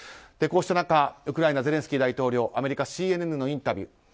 こうした中、ウクライナゼレンスキー大統領はアメリカ、ＣＮＮのインタビュー